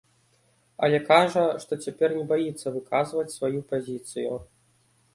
Але кажа, што цяпер не баіцца выказваць сваю пазіцыю.